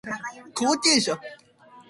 後継者